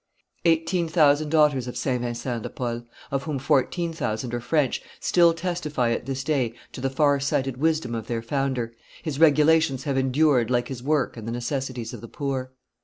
Eighteen thousand daughters of St. Vincent de Paul, of whom fourteen thousand are French, still testify at this day to the far sighted wisdom of their founder; his regulations have endured like his work and the necessities of the poor.